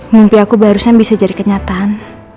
mimpi aku barusan bisa jadi kenyataan